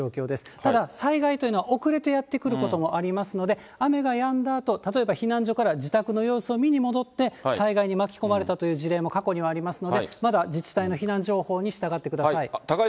ただ災害というのは、遅れてやってくることもありますので、例えば避難所から自宅の様子を見に戻って、災害に巻き込まれたという事例も過去にはありますので、まだ自治体の避難情報に従ってください。